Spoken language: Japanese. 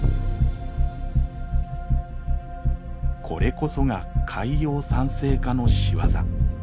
これこそが海洋酸性化の仕業。